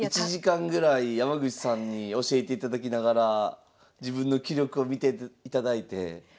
１時間ぐらい山口さんに教えていただきながら自分の棋力を見ていただいて。